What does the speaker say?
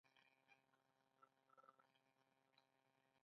ستا د زلفو بوی نسیم په چمن راوړ.